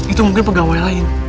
itu mungkin pegawai lain